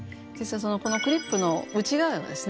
このクリップの内側はですね